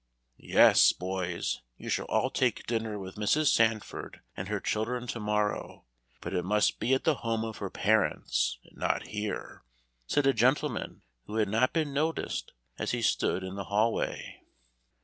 "Yes, boys, you shall all take dinner with Mrs. Sandford and her children to morrow, but it must be at the home of her parents and not here," said a gentleman who had not been noticed as he stood in the hallway.